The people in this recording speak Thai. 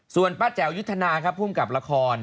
ส่วนป้าแจ๋วยุทธนาครับภูมิกับละคร